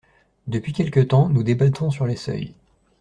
Depuis quelque temps, nous débattons sur les seuils.